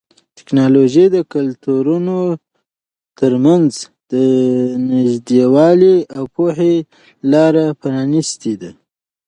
ټیکنالوژي د کلتورونو ترمنځ د نږدېوالي او پوهې لاره پرانیستې ده.